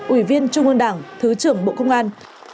ủy viên trung ương đảng thứ trưởng bộ công an